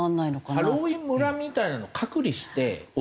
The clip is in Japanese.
ハロウィーン村みたいなのを隔離して檻。